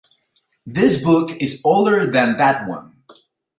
This book is older than that one.